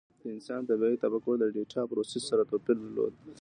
د انسان طبیعي تفکر د ډیټا پروسس سره توپیر درلود.